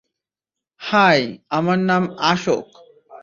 High, আমার নাম, আশোক।